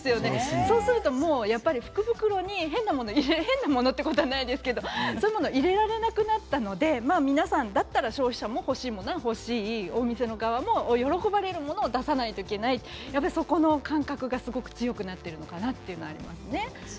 そうすると、福袋に変なもの変なものということはないですけど、そういうものを入れられなくなったのでだったら皆さん消費者も欲しいものは欲しいお店側も喜ばれるものを出さないといけない、そこの感覚がすごく強くなってるかなという感じですね。